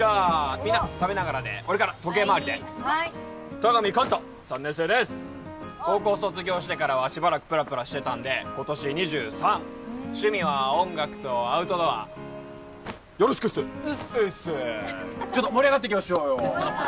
みんな食べながらで俺から時計回りで田上寛太３年生です高校卒業してからはしばらくプラプラしてたんで今年２３趣味は音楽とアウトドアよろしくっすうっすういっすーちょっと盛り上がっていきましょうよ